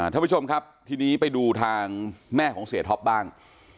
ท่านผู้ชมครับทีนี้ไปดูทางแม่ของเสียท็อปบ้าง